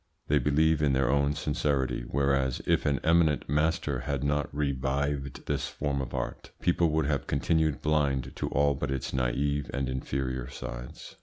They believe in their own sincerity, whereas, if an eminent master had not revived this form of art, people would have continued blind to all but its naive and inferior sides.